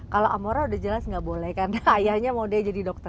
kalau amora udah jelas nggak boleh karena ayahnya mau dia jadi dokter